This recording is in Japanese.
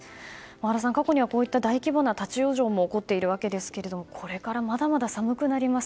原さん、過去にはこういった大規模な立ち往生も起こっているわけですがこれからまだまだ寒くなります。